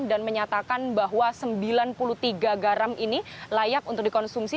dan menyatakan bahwa sembilan puluh tiga garam ini layak untuk dikonsumsi